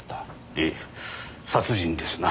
ええ殺人ですな。